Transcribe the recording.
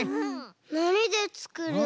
なにでつくる？